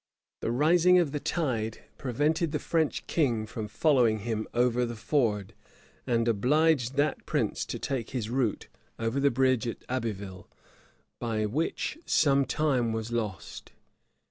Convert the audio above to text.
The rising of the tide prevented the French king from following him over the ford, and obliged that prince to take his route over the bridge at Abbeville; by which some time was lost.